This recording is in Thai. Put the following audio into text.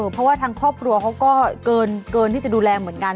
เพราะว่าทางครอบครัวเขาก็เกินที่จะดูแลเหมือนกัน